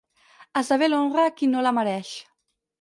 Esdevé l'honra a qui no la mereix.